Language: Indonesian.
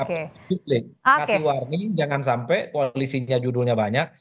kasih warning jangan sampai koalisinya judulnya banyak